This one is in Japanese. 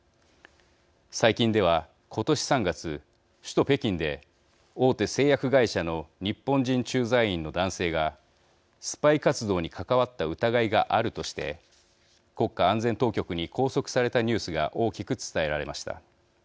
最近では、今年３月首都、北京で大手製薬会社の日本人駐在員の男性がスパイ活動に関わった疑いがあるとして国家安全当局に拘束されたニュースが大きく伝えられました。